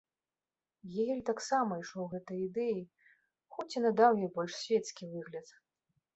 Гегель таксама ішоў гэтай ідэі, хоць і надаў ёй больш свецкі выгляд.